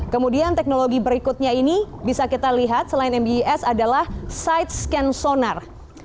kemudian teknologi berikutnya ini bisa kita lihat selain mbes adalah side scan sonar